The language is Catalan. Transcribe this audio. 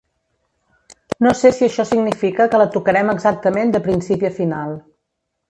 No sé si això significa que la tocarem exactament de principi a final.